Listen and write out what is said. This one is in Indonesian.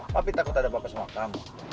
papi takut ada apa apa sama kamu